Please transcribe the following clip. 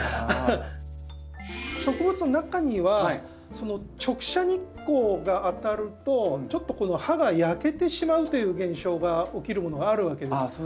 植物の中には直射日光が当たるとちょっとこの葉が焼けてしまうという現象が起きるものがあるわけです。